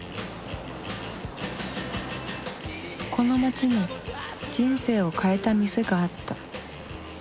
この街に人生を変えた店があった。